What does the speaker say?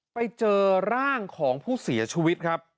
ไปเจอร่างของผู้เสียชีวิตครับ